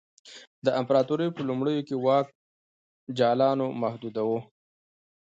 د امپراتورۍ په لومړیو کې واک جالانو محدود و